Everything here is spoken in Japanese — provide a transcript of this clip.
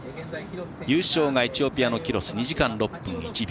優勝がエチオピアのキロス２時間６分１秒。